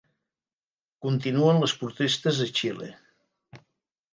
Continuen les protestes a Xile